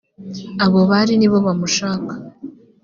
abo bari ni bo bamushaka